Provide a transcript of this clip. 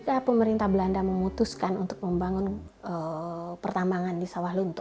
jadi ketika pemerintah belanda memutuskan untuk membangun pertambangan di sawah lunto